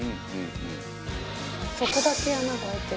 底だけ穴が開いてる。